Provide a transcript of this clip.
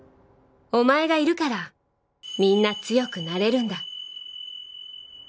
「お前がいるからみんな強くなれるんだ」